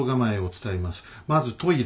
まずトイレ。